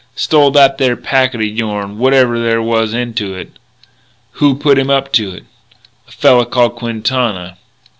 "Stole that there packet o' yourn whatever there was into it." "Who put him up to it?" "A fella called Quintana."